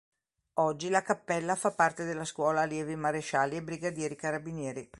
Oggi la cappella fa parte della Scuola allievi marescialli e brigadieri carabinieri.